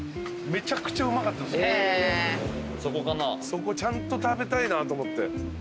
そこちゃんと食べたいなと思って。